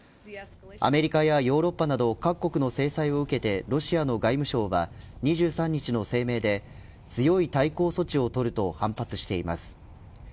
アメリカやヨーロッパなど各国の制裁を受けてロシアの外務省は２３日の声明で強い対抗措置をとると反発しています。